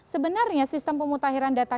sebenarnya sistem pemutahiran data